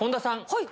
はい。